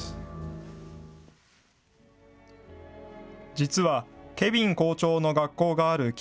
実はケヴィン校長の学校がある北